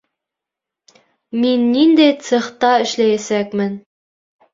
Мин ниндәй цехта эшләйәсәкмен